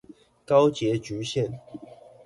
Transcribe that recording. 高捷橘線